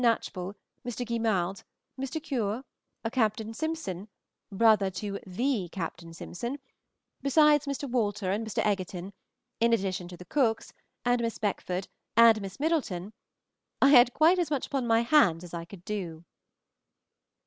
Knatchbull, Mr. Guillemarde, Mr. Cure, a Captain Simpson, brother to the Captain Simpson, besides Mr. Walter and Mr. Egerton, in addition to the Cookes, and Miss Beckford, and Miss Middleton, I had quite as much upon my hands as I could do.